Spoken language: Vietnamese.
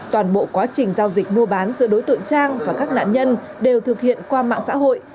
toàn bộ quá trình giao dịch mua bán giữa đối tượng trang và các nạn nhân đều thực hiện qua mạng xã hội